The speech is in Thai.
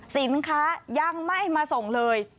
สินค้ายังไม่มาส่งเลย